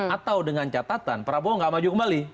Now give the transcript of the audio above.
atau dengan catatan prabowo nggak maju kembali